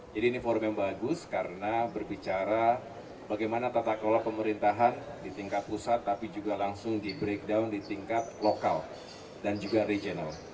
jadi ini forum yang bagus karena berbicara bagaimana tata kelola pemerintahan di tingkat pusat tapi juga langsung di breakdown di tingkat lokal dan juga regional